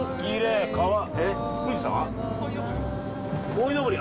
こいのぼり。